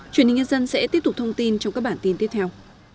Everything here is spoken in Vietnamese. truyền hình nhân dân sẽ tiếp tục thông tin trong các bản tin tiếp theo